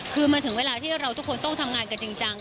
คือมันถึงเวลาที่เราทุกคนต้องทำงานกันจริงจัง